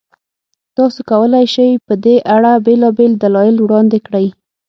تاسو کولای شئ، په دې اړه بېلابېل دلایل وړاندې کړئ.